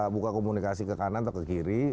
buka komunikasi ke kanan atau ke kiri